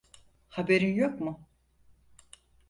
Haberin yok mu?